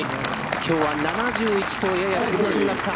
きょうは７１と、やや苦しみました。